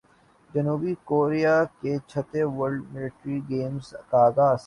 جنوبی کوریا میں چھٹے ورلڈ ملٹری گیمز کا اغاز